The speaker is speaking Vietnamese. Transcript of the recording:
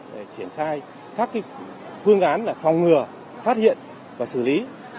để triển khai các phương án phòng ngừa phát hiện và xử lý